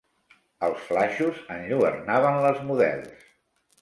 Els flaixos enlluernaven les models.